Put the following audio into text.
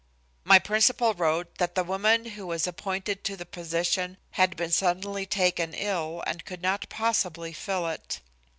My principal wrote that the woman who was appointed to the position had been suddenly taken ill and could not possibly fill it.